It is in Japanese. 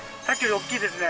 大きいですね。